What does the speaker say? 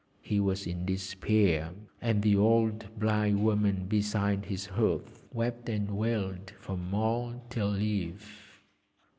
He was in despair, and the old blind woman beside his hearth wept and wailed from morn till eve.